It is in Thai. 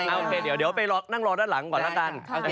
โอเคเดี๋ยวไปนั่งรอด้านหลังก่อนแล้วกัน